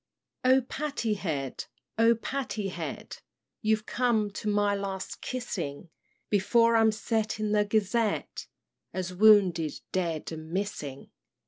"O Patty Head, O Patty Head, You're come to my last kissing; Before I'm set in the Gazette As wounded, dead, and missing!